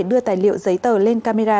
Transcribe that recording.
đưa tài liệu giấy tờ lên camera